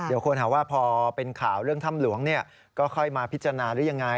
เดี๋ยวคนหาว่าพอเป็นข่าวเรื่องถ้ำหลวงก็ค่อยมาพิจารณาหรือยังไง